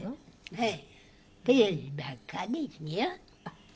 はい。